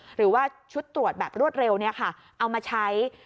หรือว่าชุดตรวจแบบรวดเร็วเอามาใช้